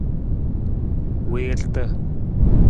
Wiirata.